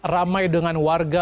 ramai dengan warga